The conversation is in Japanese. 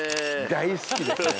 大好きですね